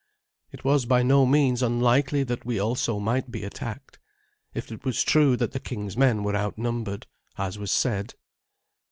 It was by no means unlikely that we also might be attacked, if it was true that the king's men were outnumbered, as was said.